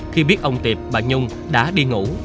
khi biết ông tiệp bà nhung đã đi ngủ